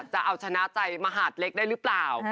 จะเอาชนะใจมหาดเล็กได้หรือเปล่า